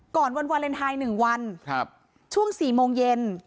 ก่อนวันวาเลนไทยหนึ่งวันครับช่วงสี่โมงเย็น